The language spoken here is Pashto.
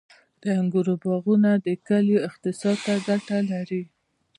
• د انګورو باغونه د کلیو اقتصاد ته ګټه لري.